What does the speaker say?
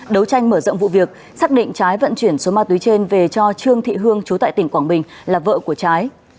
đấu tranh mở rộng vụ việc xác định trái vận chuyển số ma túy trên về cho trương thị hương chú tại tỉnh quảng bình là vợ của trái